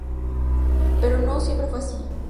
Pero no siempre fue así.